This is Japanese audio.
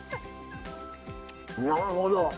なるほど。